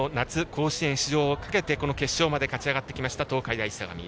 甲子園出場をかけて決勝戦まで勝ち上がってきた東海大相模。